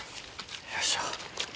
よいしょ。